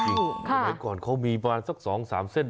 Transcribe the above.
เหมือนก่อนเขามีมาสักสองสามเส้น